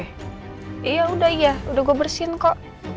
iya udah iya udah gue bersihin kok